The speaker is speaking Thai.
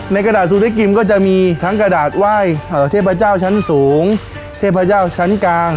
กระดาษซูซิกิมก็จะมีทั้งกระดาษไหว้เทพเจ้าชั้นสูงเทพเจ้าชั้นกลาง